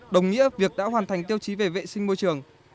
đồng nghĩa việc đã hoàn thành tiêu chí về vệ sinh môi trường